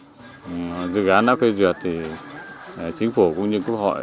nhưng mà dự án đó phê duyệt thì chính phủ cũng như quốc hội